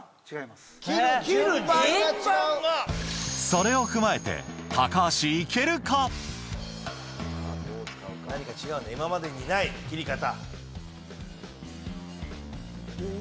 それを踏まえて何か違うんだ今までにない切り方。